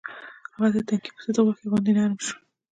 هغه د تنکي پسه د غوښې غوندې نرم شو.